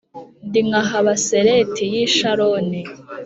Ndi nka habaseleti y’i Sharoni